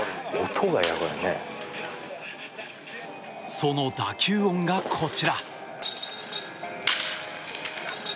その打球音がこちら。